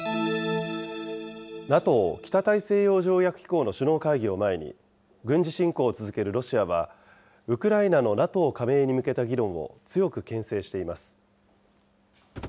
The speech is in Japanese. ＮＡＴＯ・北大西洋条約機構の首脳会議を前に、軍事侵攻を続けるロシアはウクライナのＮＡＴＯ加盟に向けた議論を強くけん制しています。